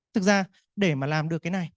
thực ra để mà làm được cái này